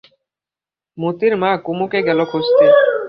মোতির মা কুমুকে গেল খুঁজতে।